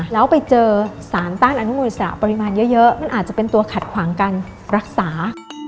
แล้วไปเจอสารต้านอนุมูลสระปริมาณเยอะมันอาจจะเป็นตัวขัดขวางการรักษา